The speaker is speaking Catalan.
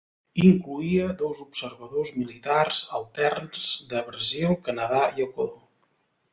Incloïa dos observadors militars alterns de Brasil, Canadà i Equador.